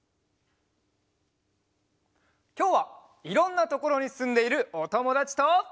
きょうはいろんなところにすんでいるおともだちと。